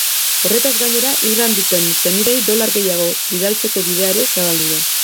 Horretaz gainera, irlan duten senideei dolar gehiago bidaltzeko bidea ere zabaldu da.